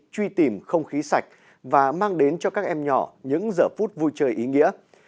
truy tìm không khí sạch và mang đến cho các em nhỏ những giờ phút vui chơi ý nghĩa